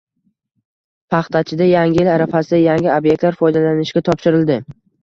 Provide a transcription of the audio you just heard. Paxtachida Yangi yil arafasida yangi ob’ektlar foydalanishga topshirildi